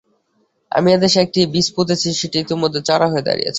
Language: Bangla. আমি এ দেশে একটি বীজ পুঁতেছি, সেটি ইতোমধ্যেই চারা হয়ে দাঁড়িয়েছে।